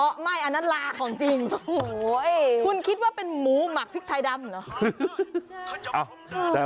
คล้ายต้องยนทิ้งแล้ว